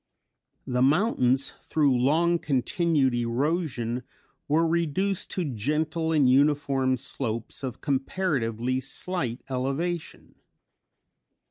The mountains through long continued erosion were reduced to gentle and uniform slopes of comparatively slight elevation.